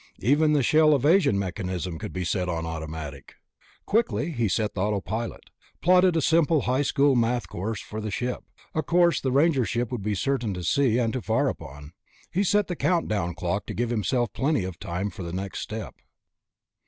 Even the shell evasion mechanism could be set on automatic.... Quickly he set the autopilot, plotted a simple high school math course for the ship, a course the Ranger ship would be certain to see, and to fire upon. He set the count down clock to give himself plenty of time for the next step.